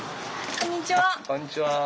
こんにちは。